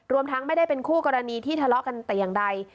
ทั้งไม่ได้เป็นคู่กรณีที่ทะเลาะกันแต่อย่างใด